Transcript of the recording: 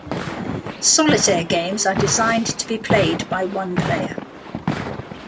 Solitaire games are designed to be played by one player.